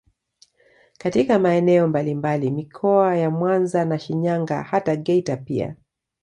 Katika maeneo mbalimbali mikoa ya Mwanza na Shinyanga hata Geita pia